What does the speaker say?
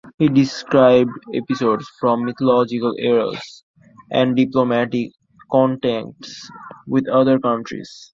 It describes episodes from mythological eras and diplomatic contacts with other countries.